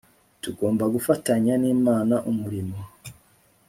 Tugomba gufatanya nImana umurimo